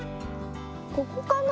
ここかな？